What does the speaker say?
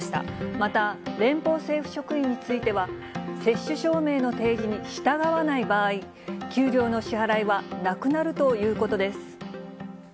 また、連邦政府職員については、接種証明の提示に従わない場合、給料の支払いはなくなるということです。